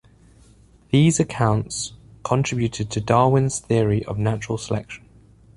These accounts contributed to Darwin's theory of natural selection.